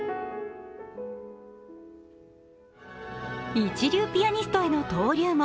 一流ピアニストへの登竜門